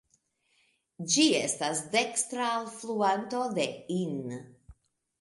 Ĝi estas dekstra alfluanto de Inn.